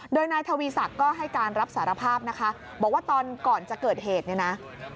โดยนายทวีศักดิ์ก็ให้การรับสารภาพนะคะบอกว่าตอนก่อนจะเกิดเหตุเนี่ยนะ